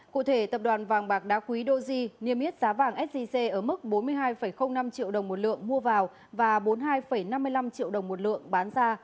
cụ thể tập đoàn vàng bạc đá quý doji niêm yết giá vàng sgc ở mức bốn mươi hai năm triệu đồng một lượng mua vào và bốn mươi hai năm mươi năm triệu đồng một lượng bán ra